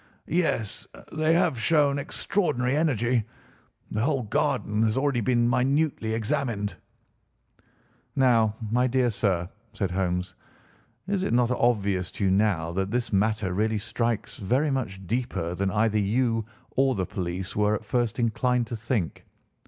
"Yes, they have shown extraordinary energy. The whole garden has already been minutely examined." "Now, my dear sir," said Holmes, "is it not obvious to you now that this matter really strikes very much deeper than either you or the police were at first inclined to think?